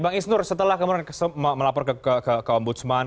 bang isnur setelah kemudian melapor ke ombudsman